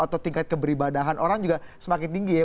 atau tingkat keberibadahan orang juga semakin tinggi ya